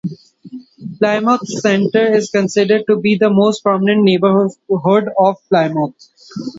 Plymouth Center is considered to be the most prominent neighborhood of Plymouth.